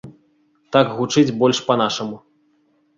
Так гучыць больш па-нашаму.